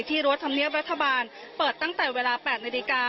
รั้วธรรมเนียบรัฐบาลเปิดตั้งแต่เวลา๘นาฬิกา